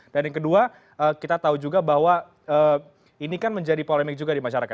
dan yang kedua kita tahu juga bahwa ini kan menjadi polemik juga di masyarakat